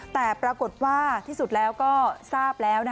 แต่ปรากฏว่าที่สุดแล้วก็ทราบแล้ว